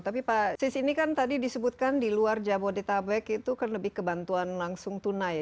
tapi pak sis ini kan tadi disebutkan di luar jabodetabek itu kan lebih kebantuan langsung tunai